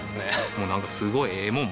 もうなんかすごいええもん